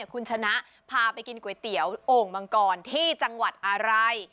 คุณชนะพาไปกินก๋วยเตี๋ยวโอ่งมังกรที่จังหวัดอะไร